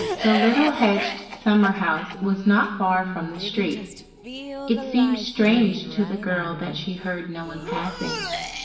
The little hedged summer house was not far from the street. It seemed strange to the girl that she heard no one passing.